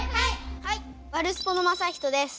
はいワルスポのまさひとです。